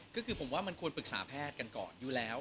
ก็คือผมว่ามันควรปรึกษาแพทย์กันก่อนอยู่แล้ว